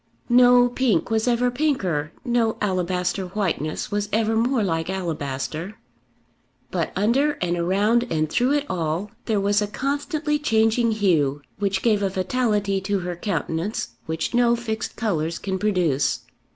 No pink was ever pinker, no alabaster whiteness was ever more like alabaster; but under and around and through it all there was a constantly changing hue which gave a vitality to her countenance which no fixed colours can produce.